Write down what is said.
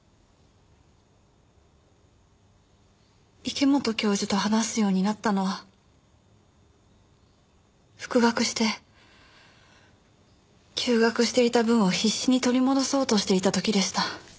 池本教授と話すようになったのは復学して休学していた分を必死に取り戻そうとしていた時でした。